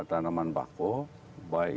tanaman bakau baik